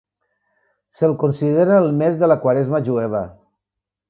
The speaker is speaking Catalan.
Se'l considera el mes de la quaresma jueva.